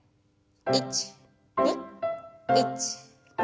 １２１２。